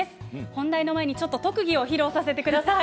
本題の前に特技を披露させてください。